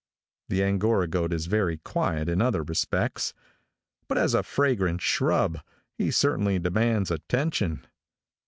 The Angora goat is very quiet in other respects; but as a fragrant shrub, he certainly demands attention.